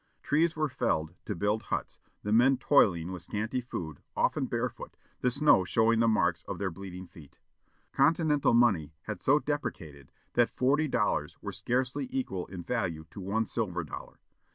Trees were felled to build huts, the men toiling with scanty food, often barefoot, the snow showing the marks of their bleeding feet. Continental money had so depreciated that forty dollars were scarcely equal in value to one silver dollar.